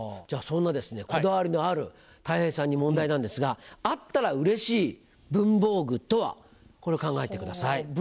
じゃあそんなこだわりのあるたい平さんに問題なんですが「あったら嬉しい文房具」とはこれを考えてください。